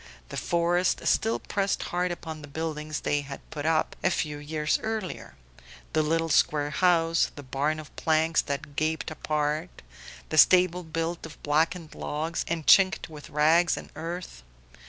The forest still pressed hard upon the buildings they had put up a few years earlier: the little square house, the barn of planks that gaped apart, the stable built of blackened logs and chinked with rags and earth.